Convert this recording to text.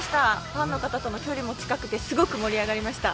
ファンの方との距離も近くてすごく盛り上がりました。